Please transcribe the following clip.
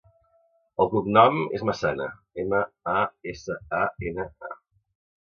El cognom és Masana: ema, a, essa, a, ena, a.